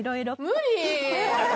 無理！